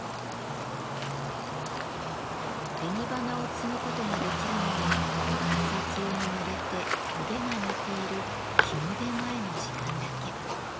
紅花を摘むことができるのは朝露にぬれてトゲが寝ている日の出前の時間だけ。